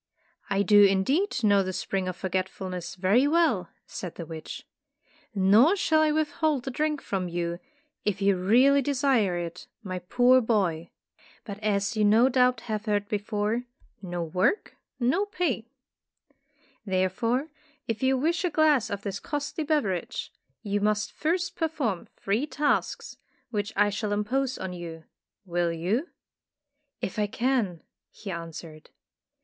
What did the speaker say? do indeed know the Spring of Forget fulness very well," said the witch. ''Nor shall I withhold the drink from you, if you 150 Tales of Modern Germany really desire it, my poor boy/' But as you no doubt have heard before, 'No work, no pay/ "Therefore if you wish a glass of this costly beverage, you must first perform three tasks, which I shall impose on you. Will you?" "If I can," he answered.